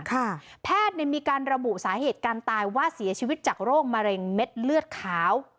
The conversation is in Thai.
แพทย์เนี่ยมีการระบุสาเหตุการตายว่าเสียชีวิตจากโรคมะเร็งเม็ดเลือดขาว